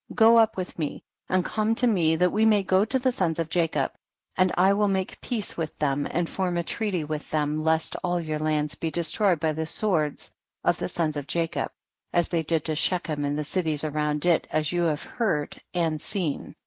Go up with me, and come to me that we may go to the sons of Jacob, and I will make peace with them, and form a treaty loith them, lest all your lands be destroyed by the swords of the sons of Jacob, as they did to Shechem and the cities around it, as you have heard and seen.